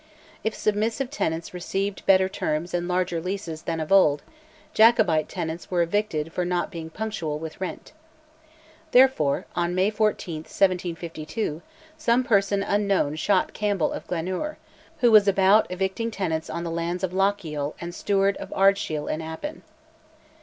If submissive tenants received better terms and larger leases than of old, Jacobite tenants were evicted for not being punctual with rent. Therefore, on May 14, 1752, some person unknown shot Campbell of Glenure, who was about evicting the tenants on the lands of Lochiel and Stewart of Ardshiel in Appin.